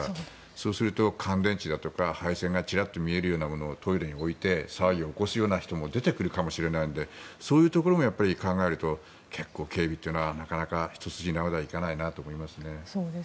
そうすると乾電池だとか配線がちらっと見えるようなものをトイレに置いて騒ぎを起こすような人も出てくるかもしれないのでそういうところも考えると結構、警備はなかなか一筋縄ではいかないなと思いますね。